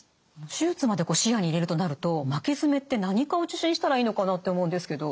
手術まで視野に入れるとなると巻き爪って何科を受診したらいいのかなって思うんですけど。